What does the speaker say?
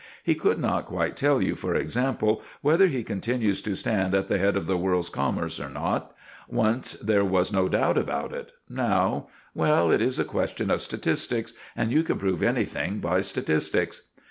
He could not quite tell you, for example, whether he continues to stand at the head of the world's commerce or not. Once there was no doubt about it; now well, it is a question of statistics, and you can prove anything by statistics.